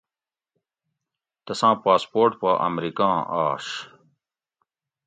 تساں پاسپورٹ پا امریکاں آش